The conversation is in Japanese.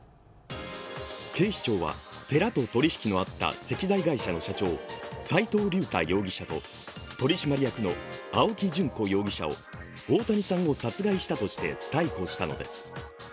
警視庁は寺と取引のあった石材会社の社長、斉藤竜太容疑者と取締役の青木淳子容疑者を大谷さんを殺害したとして逮捕したのです。